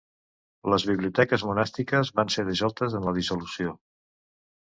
Les biblioteques monàstiques van ser dissoltes en la Dissolució.